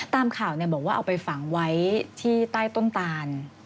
ตามข่าวบอกว่าเอาไปฝังไว้ที่ใต้ต้นตาน